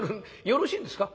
よろしいんですか？